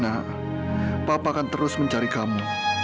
nah papa akan terus mencari kamu